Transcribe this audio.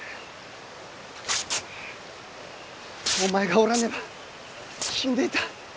お前がおらねば死んでいた！